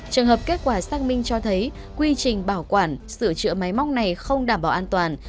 trường hợp kết quả xác minh cho thấy quy trình bảo quản sửa chữa máy móc này không đảm bảo an toàn